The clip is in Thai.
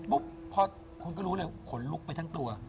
ปุ๊บพ่อคุณก็รู้เลยว่าขนลุกไปทั้งตัว